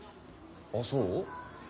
ああそう？